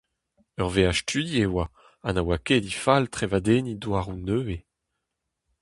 Ur veaj studi e oa ha na oa ket he fal trevadenniñ douaroù nevez.